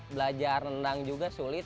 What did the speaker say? belajar rendang juga sulit